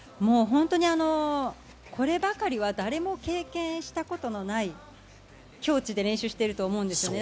こればかりは誰も経験したことのない境地で練習していると思うんです。